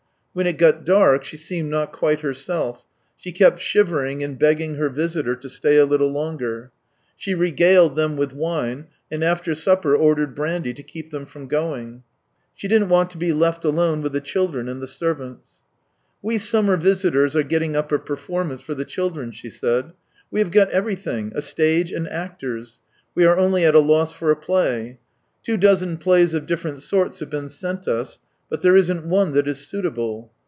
When it got dark, she seemed not quite herself; she kept shivering and begging her visitors to stay a httle longer. She regaled them with wine, and after supper ordered brandy to keep them from going. She didn't want to be left alone with the children and the servants. " We summer visitors are getting up a perform ance for the children," she said. " We have got everything — a stage and actors; we are only at a loss for a play. Two dozen plays of different sorts have been sent us, but there isn't one that is suitable.